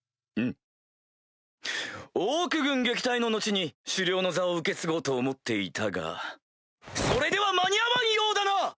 オーク軍撃退の後に首領の座を受け継ごうと思っていたがそれでは間に合わんようだな！